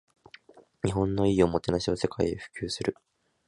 日本の良いおもてなしを世界へ普及する